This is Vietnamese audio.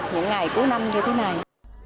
những ngày cuối năm như thế này